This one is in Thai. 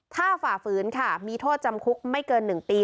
ถ้าฝ่าฝืนค่ะมีโทษจำคุกไม่เกิน๑ปี